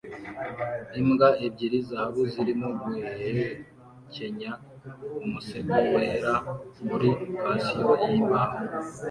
imbwa ebyiri zahabu zirimo guhekenya umusego wera kuri patio yimbaho